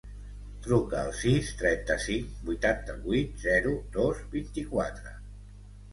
Truca al sis, trenta-cinc, vuitanta-vuit, zero, dos, vint-i-quatre.